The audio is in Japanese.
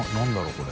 これ。